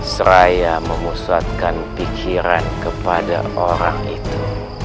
seraya memusatkan pikiran kepada orang itu